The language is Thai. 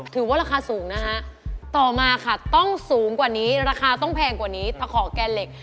ถือว่าราคาสูงนะฮะต่อมาค่ะต้องสูงกว่านี้ราคาต้องแพงกว่านี้ตะขอแกนเหล็ก